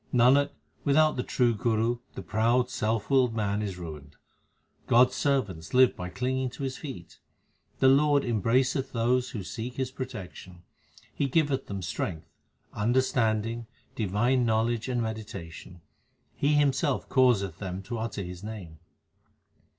Nanak, without the true Guru the proud self willed man is ruined. God s servants live by clinging to His feet. The Lord embraceth those who seek His protection. He giveth them strength, understanding, divine knowledge and meditation; He Himself causeth them to utter His name.